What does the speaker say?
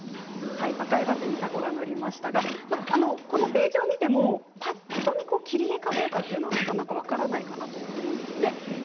赤いバスにタコが乗りましたがこのページを見てもぱっと見、切り絵かどうか分からないなと思うんですね。